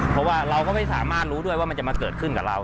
เพราะว่าเราก็ไม่สามารถรู้ด้วยว่ามันจะมาเกิดขึ้นกับเรา